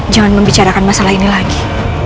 jangan membicarakan masalah ini lagi